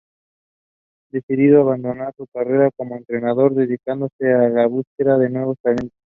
Decidió abandonar su carrera como entrenador, dedicándose a la búsqueda de nuevos talentos.